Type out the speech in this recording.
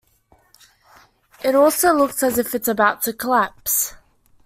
It also looks as if it's about to collapse.